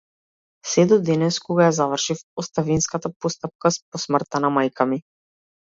Сѐ до денес, кога ја завршив оставинската постапка по смртта на мајка ми.